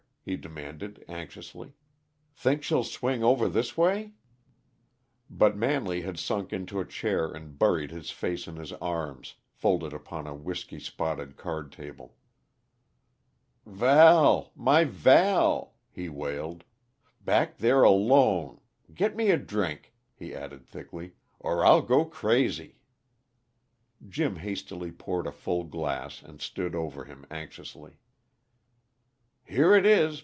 he demanded anxiously. "Think she'll swing over this way?" But Manley had sunk into a chair and buried his face in his arms, folded upon a whisky spotted card table. "Val my Val!" he wailed, "Back there alone get me a drink," he added thickly, "or I'll go crazy!" Jim hastily poured a full glass, and stood over him anxiously. "Here it is.